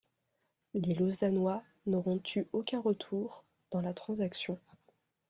Les Lausannois n'auront eu aucun retour dans la transaction.